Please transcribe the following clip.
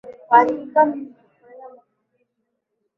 Kwa hakika nimefurahia mafundisho.